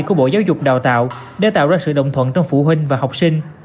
của bộ giáo dục đào tạo để tạo ra sự đồng thuận trong phụ huynh và học sinh